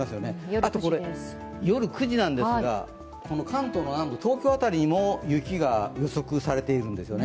あと夜９時なんですが、関東の南部東京辺りにも雪が予測されているんですよね。